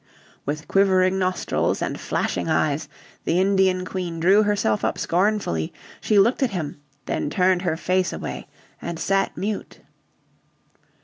With quivering nostrils, and flashing eyes, the Indian Queen drew herself up scornfully, she looked at him, then turned her face away, and sat mute.